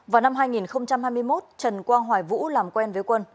vào năm hai nghìn hai mươi một trần quang hoài vũ làm quen với quân